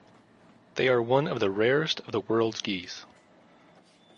They are one of the rarest of the world's geese.